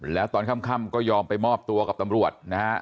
แล้วตอนค่ำก็ยอมไปมอบตัวกับตำรวจนะฮะ